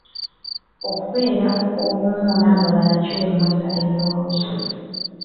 Okubeera obumu n'abalala kiwummuza ebirowoozo.